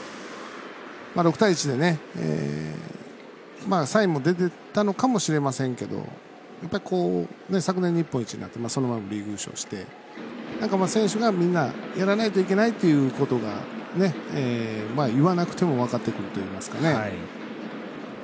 ６対１でサインも出てたのかもしれませんけど昨年、日本一になってそのままリーグ優勝して選手がみんなやらないといけないということが言わなくても分かってくるといいますか。